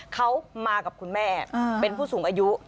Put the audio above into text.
เขามากับคุณแม่เป็นผู้สูงอายุ